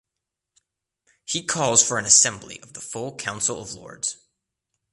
He calls for an assembly of the full Council of Lords.